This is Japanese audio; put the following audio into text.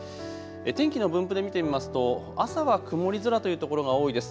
天気の分布で見てみますと朝は曇り空というところが多いです。